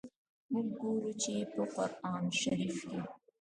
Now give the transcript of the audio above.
موږ ګورو چي، په قرآن شریف کي.